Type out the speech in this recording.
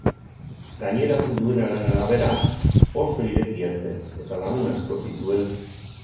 Gaineratu duenaren arabera, oso irekia zen eta lagun asko zituen.